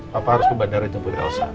papa harus ke bandara jemput elsa